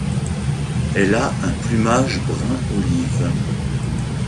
Elle a un plumage brun olive.